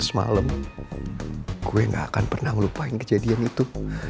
semalam gue gak akan pernah ngelupain kejadian itu